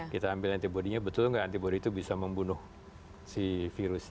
kita ambil antibody nya betul nggak antibody itu bisa membunuh si virus